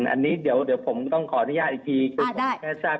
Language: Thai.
อันนี้เดี๋ยวผมต้องขออนุญาตอีกที